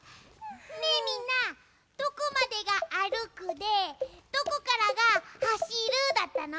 ねえみんなどこまでがあるくでどこからがはしるだったの？